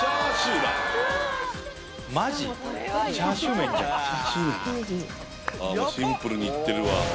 シンプルに行ってるわ。